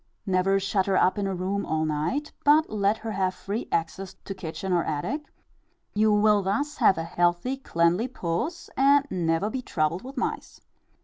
Never shut her up in a room all night, but let her have free access to kitchen or attic; you will thus have a healthy, cleanly puss, and never be troubled with mice.